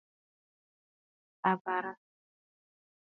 A barə̂!